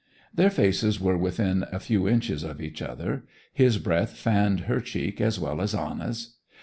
Their faces were within a few inches of each other, his breath fanned her cheek as well as Anna's.